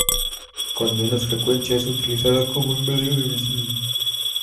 Con menos frecuencia es utilizado como un medio de homicidio.